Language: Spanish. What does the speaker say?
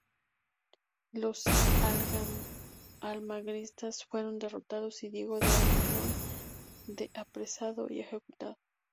Los almagristas fueron derrotados y Diego de Almagro apresado y ejecutado.